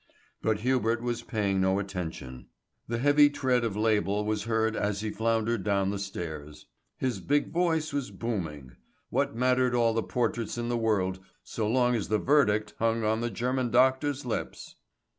But Hubert was paying no attention. The heavy tread of Label was heard as he floundered down the stairs. His big voice was booming. What mattered all the portraits in the world so long as the verdict hung on the German doctor's lips!